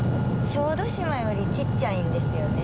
小豆島よりちっちゃいんですよね。